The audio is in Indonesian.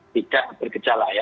tidak berkecala ya